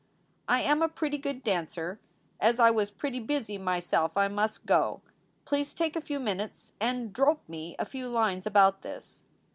I am a prity good dancir. As I was prity buisy my self I must go. Please take a few Minutes An drope me a few lines about this.